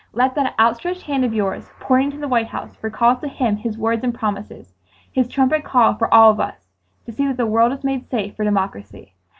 Let that outstretched hand of yours pointing to the White House recall to him his words and promises, his trumpet call for all of us, to see that the world is made safe for democracy.